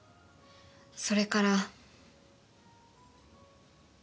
それから。